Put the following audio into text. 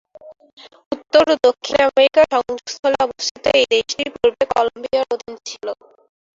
উত্তর ও দক্ষিণ আমেরিকার সংযোগস্থলে অবস্থিত এই দেশটি পূর্বে কলম্বিয়ার অধীন ছিল।